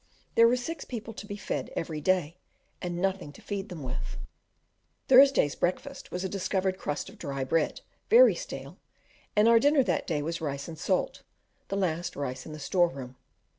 There were six people to be fed every day, and nothing to feed them with. Thursday's breakfast was a discovered crust of dry bread, very stale, and our dinner that day was rice and salt the last rice in the store room.